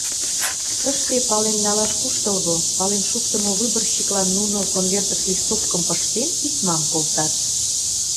Тыште пален налаш куштылго, пален шуктымо выборщиклан нуно, конвертыш листовкым пыштен, письмам колтат.